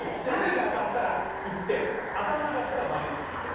３位が当たったら１点当たらなかったらマイナス１点。